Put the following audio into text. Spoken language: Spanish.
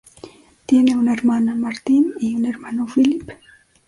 Tiene una hermana, Martine, y un hermano, Philippe.